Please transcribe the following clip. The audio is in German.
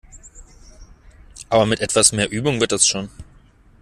Aber mit etwas mehr Übung wird das schon!